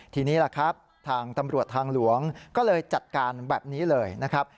ทีนี้ล่ะครับทางตำรวจทางหลวงก็เลยจัดการแบบนี้เลยนะครับ